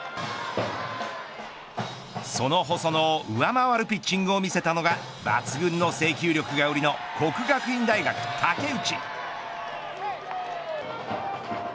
その細野を上回るピッチングを見せたのが抜群の制球力が売りの國學院大學、武内。